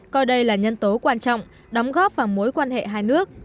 coi đây là nhân tố quan trọng đóng góp vào mối quan hệ hai nước